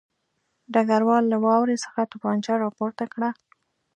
ډګروال له واورې څخه توپانچه راپورته کړه